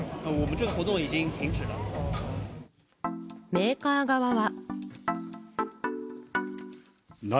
メーカー側は。